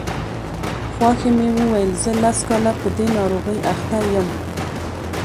خواښې مې وویل زه لس کاله په دې ناروغۍ اخته یم.